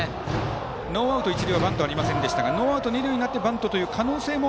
ノーアウト一塁はバントがありませんでしたがノーアウト二塁になってバントという可能性も？